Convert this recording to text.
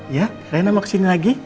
ya raina mau kesini lagi